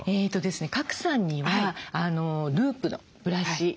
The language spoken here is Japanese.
賀来さんにはループのブラシ。